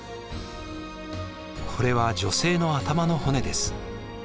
これは女性の頭の骨です。